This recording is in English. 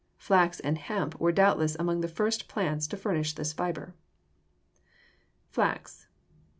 Flax and hemp were doubtless among the first plants to furnish this fiber. =Flax.